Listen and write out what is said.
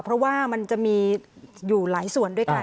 เพราะว่ามันจะมีอยู่หลายส่วนด้วยกัน